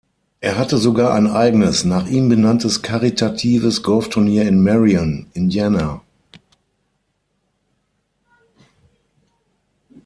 Er hatte sogar ein eigenes, nach ihm benanntes karitatives Golfturnier in Marion, Indiana.